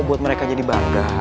buat mereka jadi bangga